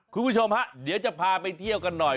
คุณผู้ชมฮะเดี๋ยวจะพาไปเที่ยวกันหน่อย